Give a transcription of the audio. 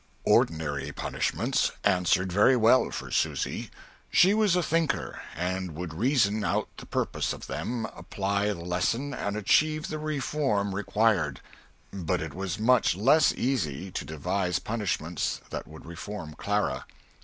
Ordinary punishments answered very well for Susy. She was a thinker, and would reason out the purpose of them, apply the lesson, and achieve the reform required. But it was much less easy to devise punishments that would reform Clara.